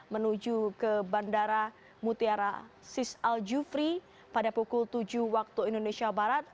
menuju ke bandara mutiara sis al jufri pada pukul tujuh waktu indonesia barat